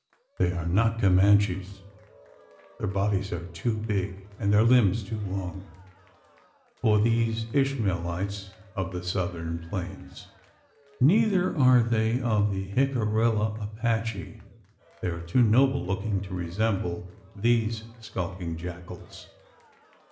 They are not Comanches. Their bodies are too big, and their limbs too long, for these Ishmaelites of the southern plains. Neither are they of the Jicarilla Apache: they are too noble looking to resemble these skulking jackals.